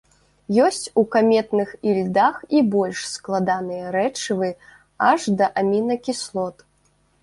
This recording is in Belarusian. Ёсць у каметных ільдах і больш складаныя рэчывы, аж да амінакіслот.